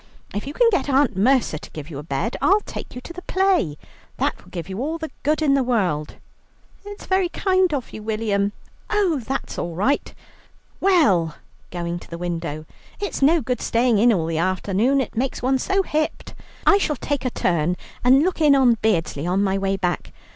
If you can get Aunt Mercer to give you a bed, I'll take you to the play. That will do you all the good in the world." "It's very kind of you, William." "Oh, that's all right. Well," going to the window, "it's no good staying in all the afternoon, it makes one so hipped. I shall take a turn and look in on Beardsley on my way back.